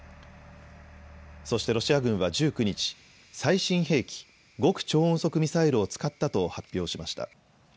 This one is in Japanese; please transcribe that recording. そしてロシア軍は１９日、最新兵器、極超音速ミサイルを使ったと発表しました。